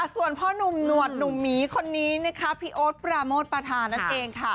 ส่วนพ่อนุ่มหนวดหนุ่มหมีคนนี้นะคะพี่โอ๊ตปราโมทประธานนั่นเองค่ะ